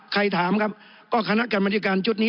ใครถามเราครับก็คณะการบริการชุดนี้